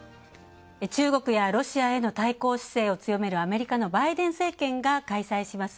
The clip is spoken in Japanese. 中国やロシアへの対抗姿勢を強めるアメリカのバイデン政権が開催します